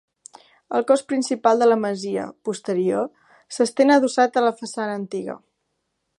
El cos principal de la masia, posterior, s'estén adossat a la façana antiga.